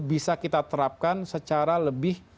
bisa kita terapkan secara lebih